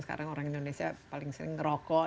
sekarang orang indonesia paling sering ngerokok